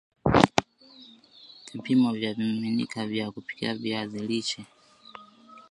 Vipimo vya vimiminika vya kupikia viazi lishe